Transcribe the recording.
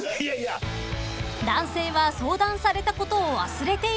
［男性は相談されたことを忘れているのか？］